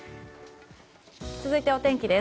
続いてはお天気です。